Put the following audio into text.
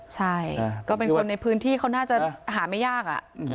ใช่ก็เป็นคนในพื้นที่เขาน่าจะหาไม่ยาก